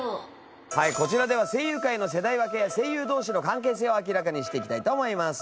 はいこちらでは声優界の世代分けや声優同士の関係性を明らかにしていきたいと思います。